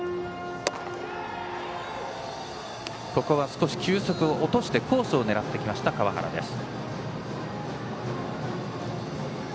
少し球速を落としてコースを狙ってきた川原です。